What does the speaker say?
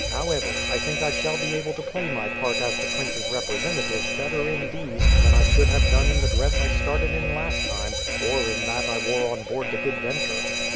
However, I think I shall be able to play my part as the prince's representative better in these than I should have done in the dress I started in last time, or in that I wore on board the Good Venture."